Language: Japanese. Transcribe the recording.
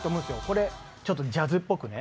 これ、ちょっとジャズっぽくね。